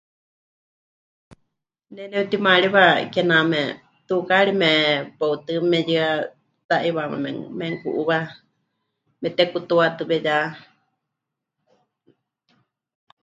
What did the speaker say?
Ne nepɨtimaariwa kename tukaari mewautɨ́ meyɨ́a, ta'iwaáma mem... memɨku'uuwa, memɨtekutuatɨwe ya.